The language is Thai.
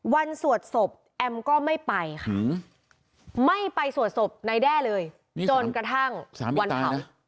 สวดศพแอมก็ไม่ไปค่ะไม่ไปสวดศพนายแด้เลยจนกระทั่งวันเผา